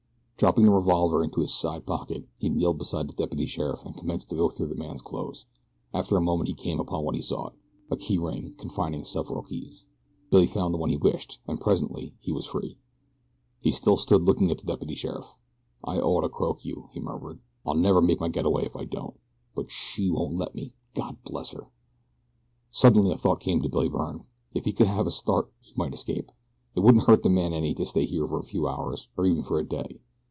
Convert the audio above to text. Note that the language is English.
Dropping the revolver into his side pocket he kneeled beside the deputy sheriff and commenced to go through the man's clothes. After a moment he came upon what he sought a key ring confining several keys. Billy found the one he wished and presently he was free. He still stood looking at the deputy sheriff. "I ought to croak you," he murmured. "I'll never make my get away if I don't; but SHE won't let me God bless her." Suddenly a thought came to Billy Byrne. If he could have a start he might escape. It wouldn't hurt the man any to stay here for a few hours, or even for a day.